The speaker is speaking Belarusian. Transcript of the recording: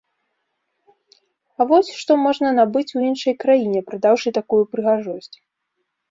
А вось, што можна набыць у іншай краіне, прадаўшы такую прыгажосць.